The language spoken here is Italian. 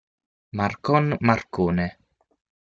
Marcon, Marcone.